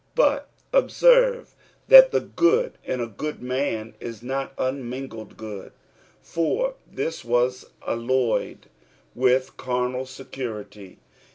But observe that the good in a good man is not unmingled good, for this was alloyed with carnal security.